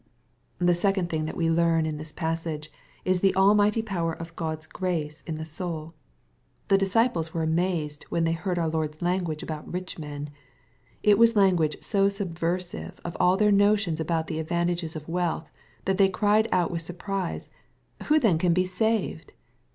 "' The second thing that we leam in this passage, is the almighty potoer of God's grace in the sotd. The disciples MATTHEW, CHAP. XIX. 243 were amazed^ when they heard our Lord's language about rich men. It was language so subversive of all their notions about the advantages of wealth, that they cried out with surprise, " Who then can be saved